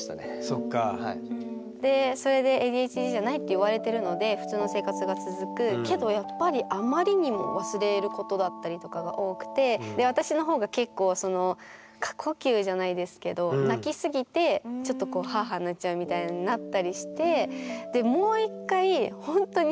言われてるので普通の生活が続くけどやっぱりあまりにも忘れることだったりとかが多くてで私の方が結構過呼吸じゃないですけど泣きすぎてちょっとハアハアなっちゃうみたいなのになったりしてでもう一回ほんとに。